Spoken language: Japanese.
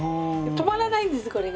止まらないんですこれがね。